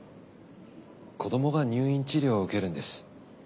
子どもが入院治療を受けるんです。